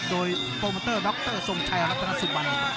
โดยโปรเมอร์เตอร์ดรสงชัยอรัตนสุปัน